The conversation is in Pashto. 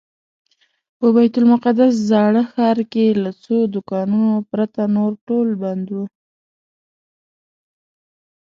په بیت المقدس زاړه ښار کې له څو دوکانونو پرته نور ټول بند و.